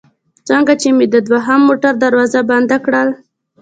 څنګه چې مې د دوهم موټر دروازه بنده کړل.